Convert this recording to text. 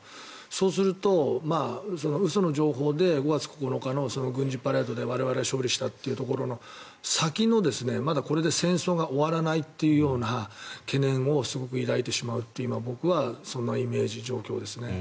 そうすると嘘の情報で５月９日のパレードで我々は勝利したというところの先のまだこれで戦争が終わらないという懸念をすごく抱いてしまうというのはそのイメージ、状況ですね。